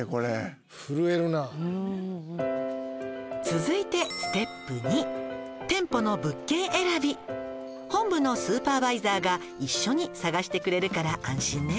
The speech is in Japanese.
「続いてステップ２」「本部のスーパーバイザーが一緒に探してくれるから安心ね」